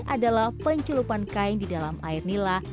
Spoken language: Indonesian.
adalah pencelupan kain di dalam air nila